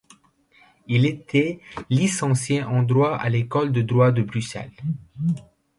Il était licencié en droit à l'École de droit de Bruxelles.